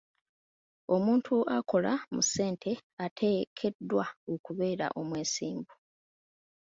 Omuntu akola mu ssente ateekeddwa okubeera omwesimbu.